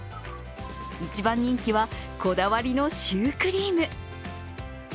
一番人気はこだわりのシュークリーム。